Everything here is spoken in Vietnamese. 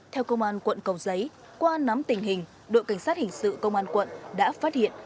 theo công an quận cầu giấy qua nắm tình hình đội cảnh sát hình sự công an quận đã phát hiện